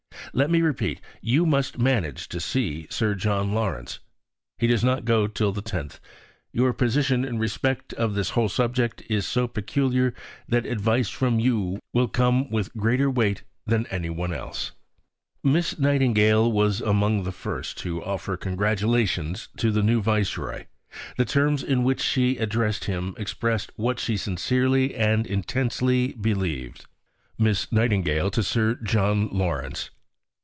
Let me repeat you must manage to see Sir John Lawrence. He does not go till the 10th. Your position in respect of this whole subject is so peculiar that advice from you will come with greater weight than from anyone else. Letter to Harriet Martineau (Feb. 2, 1865). Miss Nightingale was among the first to offer congratulations to the new Viceroy; the terms in which she addressed him expressed what she sincerely and intensely believed: (_Miss Nightingale to Sir John Lawrence.